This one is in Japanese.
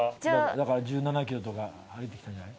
だから１７ｋｍとか歩いてきたんじゃない？